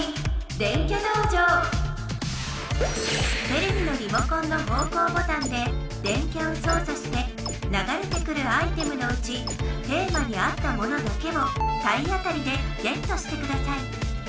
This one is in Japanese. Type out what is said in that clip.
テレビのリモコンの方向ボタンで電キャを操作して流れてくるアイテムのうちテーマに合ったものだけを体当たりでゲットしてください。